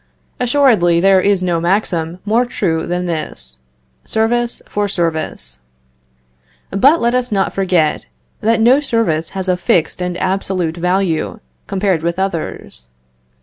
Assuredly, there is no maxim more true than this service for service. But let us not forget, that no service has a fixed and absolute value, compared with others.